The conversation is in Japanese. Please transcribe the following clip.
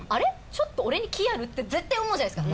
ちょっと俺に気ある？」って絶対思うじゃないですか